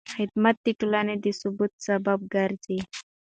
خدمت د ټولنې د ثبات سبب ګرځي.